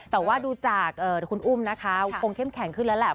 แต่ว่าดูจากคุณอุ้มนะคะคงเข้มแข็งขึ้นแล้วแหละ